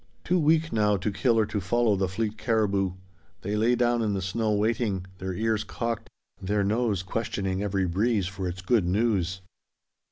Too weak now to kill or to follow the fleet caribou, they lay down in the snow waiting, their ears cocked, their noses questioning every breeze for its good news.